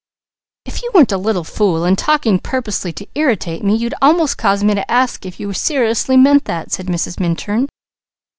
"If you weren't a little fool and talking purposely to irritate me, you'd almost cause me to ask if you seriously mean that?" said Mrs. Minturn.